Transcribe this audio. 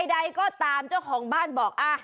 ใดก็ตามเจ้าของบ้านบอก